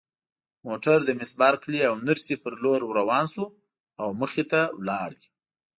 موږ د مس بارکلي او نرسې په لور ورروان شوو او مخکې ولاړو.